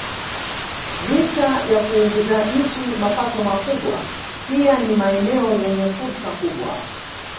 Licha ya kuiingizia nchi mapato makubwa pia ni maeneo yenye fursa kubwa